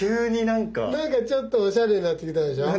なんかちょっとおしゃれになってきたでしょ。